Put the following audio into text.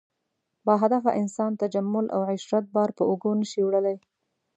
باهدفه انسان تجمل او عشرت بار په اوږو نه شي وړلی.